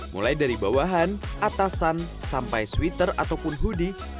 mulai dari bawahan atasan sampai sweater ataupun hoodie